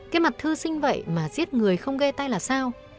cái mặt thư sinh vậy mà giết người không gây tay là sao